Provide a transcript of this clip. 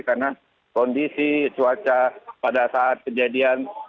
karena kondisi cuaca pada saat kejadian